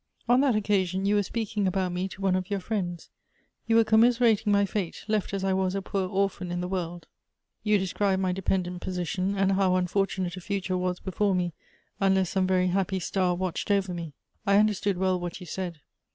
On that occasion you were speaking about me to one of your friends; you were commiserating my fate, left as I was a poor orphan in the world. You Elective Affinities. 287 described my dependant position, and how unfortunate a future was before me, unless some very happy star watched over me. I understood well what you said.